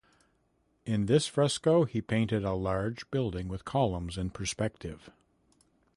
In this fresco, he painted a large building with columns in perspective.